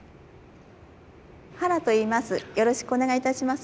ハラといいます。